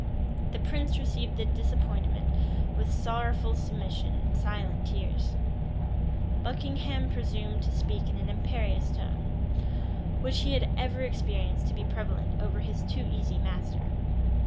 The prince received the disappointment with sorrowful submission and silent tears: Buckingham presumed to speak in an imperious tone, which he had ever experienced to be prevalent over his too easy master.